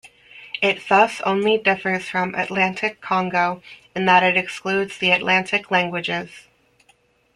It thus only differs from Atlantic-Congo in that it excludes the Atlantic languages.